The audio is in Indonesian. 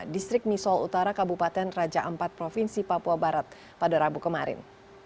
distrik misol utara kabupaten raja ampat provinsi papua barat pada rabu kemarin